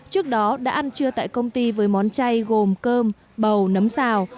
trước đó đã ăn trưa tại công ty với món chay gồm cơm bầu nấm xào